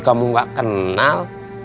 kamu gak kenal